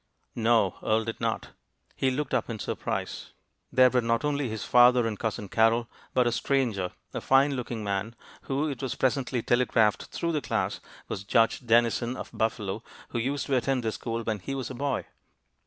No, Earle did not. He looked up in surprise. There were not only his father and Cousin Carrol, but a stranger, a fine looking man, who, it was presently telegraphed through the class, was Judge Dennison, of Buffalo, who used to attend this school when he was a boy.